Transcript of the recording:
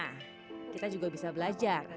nah kita juga bisa belajar